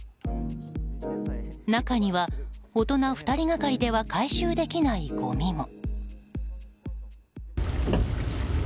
中には、大人２人がかりでは回収できないごみも。